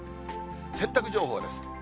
洗濯情報です。